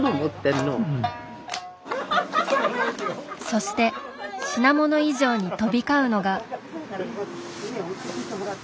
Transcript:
そして品物以上に飛び交うのが。